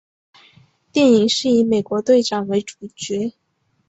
电影是以美国队长为主角。